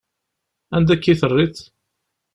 Anda akka i terriḍ?